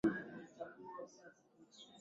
mbe wako tumeupata hapo unasema kwamba